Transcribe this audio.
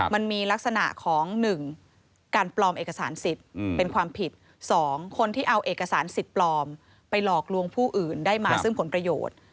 มันมีลักษณะของ๑การปลอมเอกสารสิทธิ์เป็นความผิด๒คนที่เอาเอกสารสิทธิ์ปลอมไปหลอกลวงผู้อื่นได้มาซึ่งผลประโยชน์